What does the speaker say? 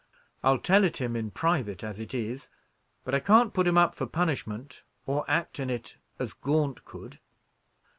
I'll tell it him in private, as it is; but I can't put him up for punishment, or act in it as Gaunt could."